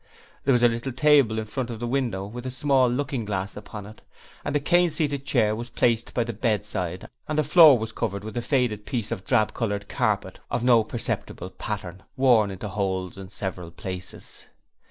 There was a little table in front of the window, with a small looking glass upon it, and a cane seated chair was placed by the bedside and the floor was covered with a faded piece of drab coloured carpet of no perceptible pattern, worn into holes in several places.